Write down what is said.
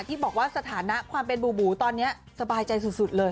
ที่บอกว่าสถานะความเป็นบูบูตอนนี้สบายใจสุดเลย